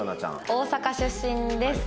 大阪出身です。